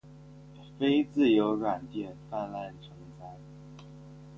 非自由软件泛滥成灾